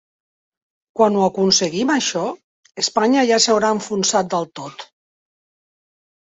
Quan ho aconseguim això, Espanya ja s’haurà enfonsat del tot.